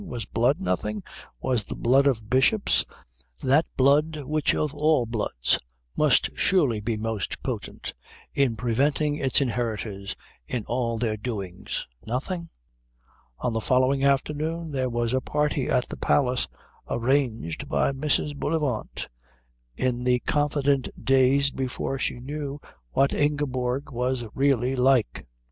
Was blood nothing? Was the blood of bishops, that blood which of all bloods must surely be most potent in preventing its inheritors in all their doings, nothing? On the following afternoon there was a party at the Palace, arranged by Mrs. Bullivant in the confident days before she knew what Ingeborg was really like.